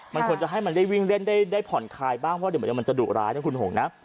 มันควรจะให้มันได้วิ่งเล่นได้ผ่อนคลายบ้างเพราะเดี๋ยวมันจะดุร้ายนะคุณหงนะ